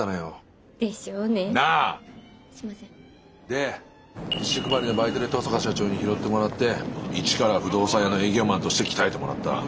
でティッシュ配りのバイトで登坂社長に拾ってもらって一から不動産屋の営業マンとして鍛えてもらった。